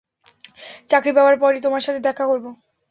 চাকরি পাবার পরই তোমার সাথে দেখা করব।